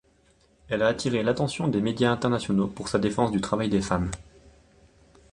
Elle a attiré l'attention des médias internationaux pour sa défense du travail des femmes.